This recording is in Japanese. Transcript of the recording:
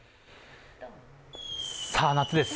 さあ、夏です。